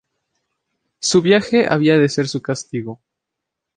Su viaje había de ser su castigo.